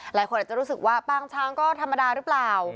หลายคนอาจจะรู้สึกว่าปางช้างก็ธรรมดาหรือเปล่า